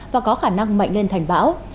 và có khả năng mạnh lên thành bão